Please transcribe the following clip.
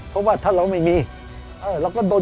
เพราะว่าถ้าเราไม่มีเราก็โดน